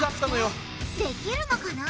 逆転できるのかな？